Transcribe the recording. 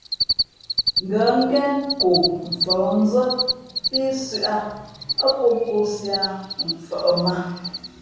Ngα̌ ngén ko fα̌hnzᾱ pí sʉ̄ʼ ǎ, α pō kōsī ǎ mfαʼ mǎ.